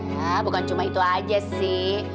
ya bukan cuma itu aja sih